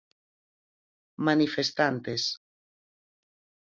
Manifestantes.